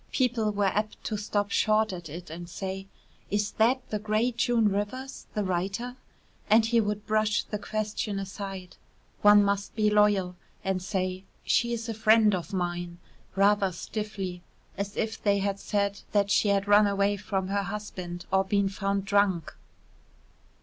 People were apt to stop short at it and say: "Is that the great June Rivers, the writer?" And he would brush the question aside one must be loyal and say: "She is a friend of mine," rather stiffly, as if they had said that she had run away from her husband or been found drunk.